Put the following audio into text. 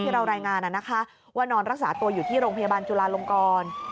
เรารายงานว่านอนรักษาตัวอยู่ที่โรงพยาบาลจุลาลงกร